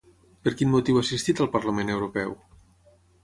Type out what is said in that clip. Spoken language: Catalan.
Per quin motiu ha assistit al Parlament Europeu?